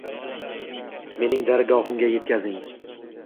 Mening dargohimga yetkazing